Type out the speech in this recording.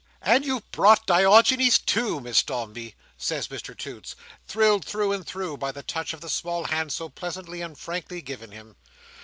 "And you've brought Diogenes, too, Miss Dombey!" says Mr Toots, thrilled through and through by the touch of the small hand so pleasantly and frankly given him.